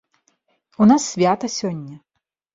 У нас свята сёння.